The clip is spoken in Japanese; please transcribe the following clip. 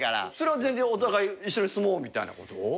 それは全然お互い一緒に住もうみたいなこと？